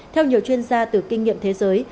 theo nhiều chuyên gia từ kinh nghiệm thế giới